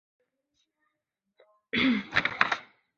平时可以变成滑翔机。